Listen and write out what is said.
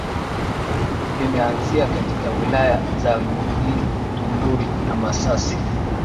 vimeanzia katika wilaya za Mbinga Tunduru na Masasi